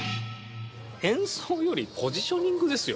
演奏よりポジショニングですよ